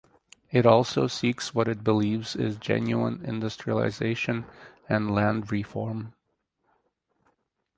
It also seeks what it believes is genuine industrialization and land reform.